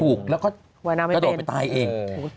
ถูกแล้วก็กระโดดไปตายเอง